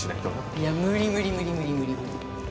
いや無理無理無理無理無理無理。